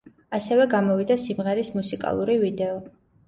ასევე გამოვიდა სიმღერის მუსიკალური ვიდეო.